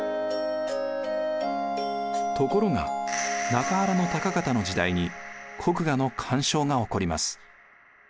ところが中原高方の時代に国衙の干渉が起こります。